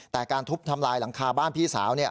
แต่การทุบทำลายหลังคาบ้านพี่สาว